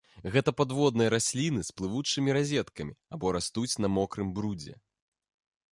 Гэта падводныя расліны з плывучымі разеткамі або растуць на мокрым брудзе.